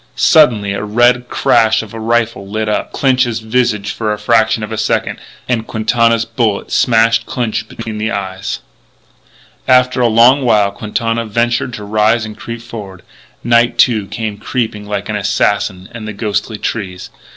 Suddenly the red crash of a rifle lit up Clinch's visage for a fraction of a second. And Quintana's bullet smashed Clinch between the eyes. After a long while Quintana ventured to rise and creep forward. Night, too, came creeping like an assassin amid the ghostly trees.